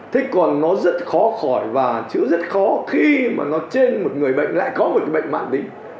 thế còn nó rất khó khỏi và chữ rất khó khi mà nó trên một người bệnh lại có một cái bệnh mạng tính